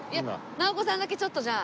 直子さんだけちょっとじゃあ。